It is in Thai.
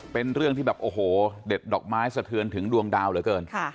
เป็นเรื่องที่แบบโอ้โหเด็ดดอกไม้สะเทือนถึงดวงดาวเหลือเกิน